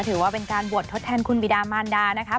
ถือว่าเป็นการบวชทดแทนคุณบิดามานดานะคะ